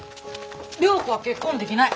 良子は結婚できない。